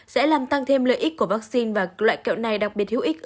sẽ làm tăng thêm lợi ích của vaccine và loại kẹo này đặc biệt hữu ích